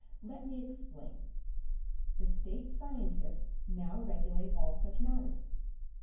Let me explain. The State scientists now regulate all such matters.